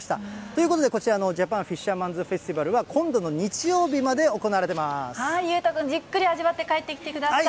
ということで、こちらのジャパンフィッシャーマンズフェスティバルは今度の日曜裕太君、じっくり味わって帰ってきてください。